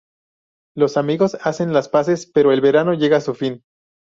Los amigos hacen las paces pero el verano llega a su fin.